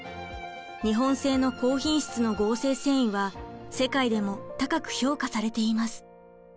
日本製の高品質の合成繊維は世界でも高く評価されています。